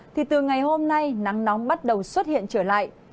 thì từ ngày hôm nay nắng nóng bắt đầu xuất hiện trở lại